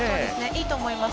いいと思います。